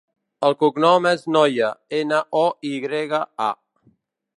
El cognom és Noya: ena, o, i grega, a.